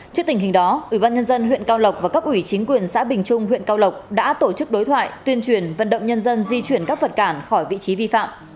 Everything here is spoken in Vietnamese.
trước tình hình đó ủy ban nhân dân huyện cao lộc và các ủy chính quyền xã bình trung huyện cao lộc đã tổ chức đối thoại tuyên truyền vận động nhân dân di chuyển các vật cản khỏi vị trí vi phạm